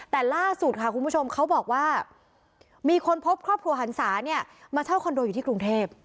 แต่ล่าสุดค่ะคุณผู้ชมเขาบอกว่ามีคนพบครอบครัวหันศาเนี่ยมาเช่าคอนโดอยู่ที่กรุงเทพ